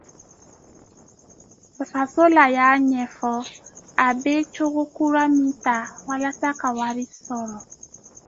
Fashola y’a ɲɛfɔ a bɛ cogo kura min ta walasa ka wari sɔrɔ.